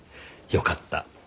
よかった。